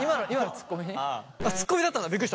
ツッコミだったんだびっくりした。